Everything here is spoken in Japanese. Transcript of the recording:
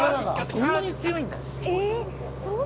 そんなに強いんだ。